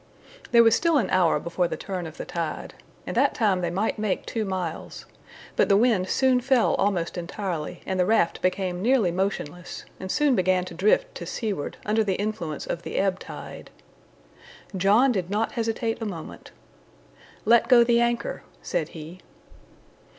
There was still an hour before the turn of the tide. In that time they might make two miles. But the wind soon fell almost entirely, and the raft became nearly motionless, and soon began to drift to seaward under the influence of the ebb tide. John did not hesitate a moment. "Let go the anchor," said he.